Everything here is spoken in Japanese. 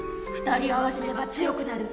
２人合わせれば強くなる。